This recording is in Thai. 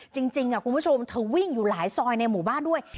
จริงคุณผู้ชมเธอวิ่งอยู่หลายซอยในหมู่บ้านด้วย